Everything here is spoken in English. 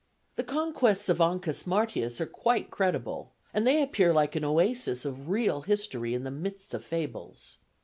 The conquests of Ancus Martius are quite credible; and they appear like an oasis of real history in the midst of fables.